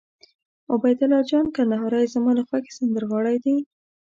عبیدالله جان کندهاری زما د خوښې سندرغاړی دي.